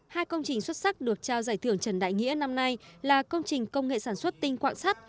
hai công trình xuất sắc được trao giải thưởng trần đại nghĩa năm nay là công trình công nghệ sản xuất tinh quạng sắt